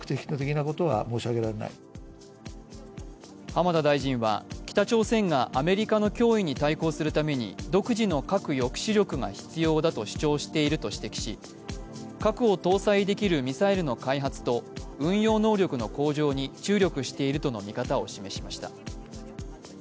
浜田大臣は北朝鮮がアメリカの脅威に対抗するために独自の核抑止力が必要だと主張していると指摘し核を搭載できるミサイルの開発と運用能力の向上に注力しているとの見方を示しました。